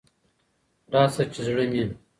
راسه چي زړه مي